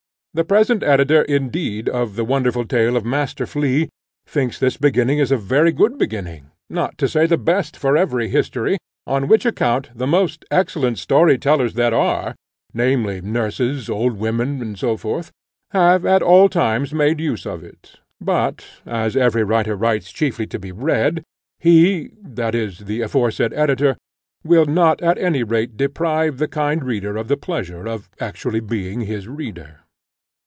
The present editor, indeed, of the wonderful tale of Master Flea, thinks this beginning a very good beginning, not to say the best for every history, on which account the most excellent story tellers that are, namely, nurses, old women, &c. have at all times made use of it; but as every author writes chiefly to be read, he, that is, the aforesaid editor, will not at any rate deprive the kind reader of the pleasure of actually being his reader.